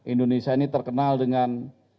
yang ini terkenal dengan